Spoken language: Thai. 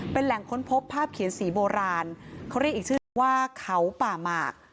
เป็นแหล่งค้นพบภาพเขียนสีโบราณเขาเรียกอีกชื่อนึงว่าเขาป่าหมาก